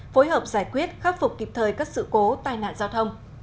phối hợp giải quyết khắc phục kịp thời các sự cố tai nạn giao thông